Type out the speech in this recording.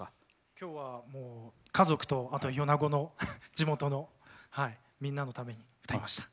きょうは家族と米子の地元のみんなのために歌いました。